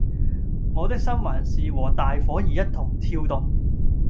我的心還是和大夥兒一同跳動